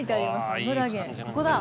油源ここだ。